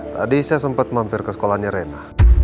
tadi saya sempat mampir ke sekolahnya rena